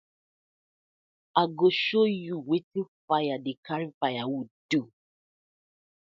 I go show yu wetin fire dey karry firewood do.